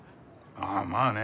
ああまあね。